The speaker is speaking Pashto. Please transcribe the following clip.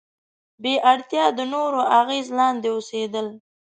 بې اړتیا د نورو اغیز لاندې اوسېدل.